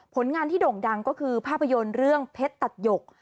ผลงานที่โด่งดังก็คือภาพยนตร์เรื่องเพชรตัดหยก